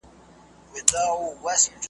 اوس هغه شیخان په ښکلیو کي لوبیږي .